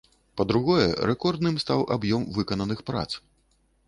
Па-другое, рэкордным стаў аб'ём выкананых прац.